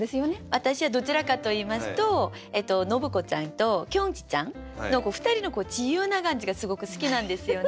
私はどちらかと言いますと信子ちゃんときょんちぃちゃんの２人の自由な感じがすごく好きなんですよね。